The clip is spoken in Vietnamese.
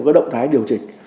có động thái điều chỉnh